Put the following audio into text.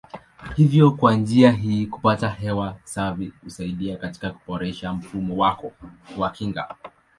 Hivyo kwa njia hii kupata hewa safi husaidia katika kuboresha mfumo wako wa kinga.